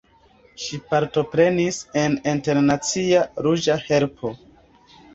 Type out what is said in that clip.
Ŝi partoprenis en Internacia Ruĝa Helpo.